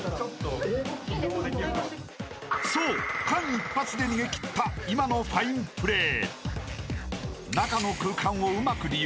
［そう間一髪で逃げきった今のファインプレー］